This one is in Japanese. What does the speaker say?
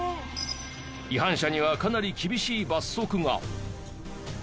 違反者にはかなり厳しい罰則が。